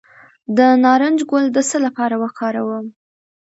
د نارنج ګل د څه لپاره وکاروم؟